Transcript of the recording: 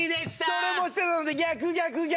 それも知ってたので逆逆逆。